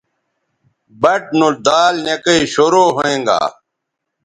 بَٹ نو دال نِکئ شروع ھوینگا